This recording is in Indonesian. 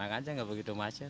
ya enak enak aja gak begitu macet